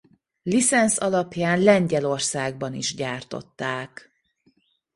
Licenc alapján Lengyelországban is gyártották.